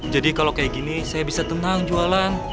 jadi kalau kayak gini saya bisa tenang jualan